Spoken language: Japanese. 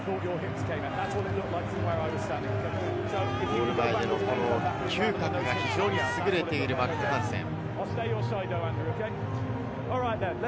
ゴール前での嗅覚が優れているマック・ハンセン。